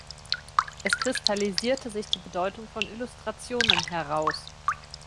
Es kristallisierte sich die Bedeutung von Illustrationen heraus.